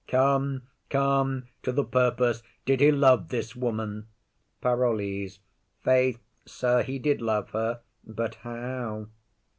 Come, come, to the purpose. Did he love this woman? PAROLLES. Faith, sir, he did love her; but how?